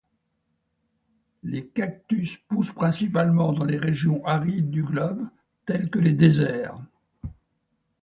Les cactus poussent principalement dans les régions arides du globe, tel que les déserts.